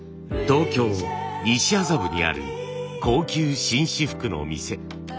東京・西麻布にある高級紳士服の店。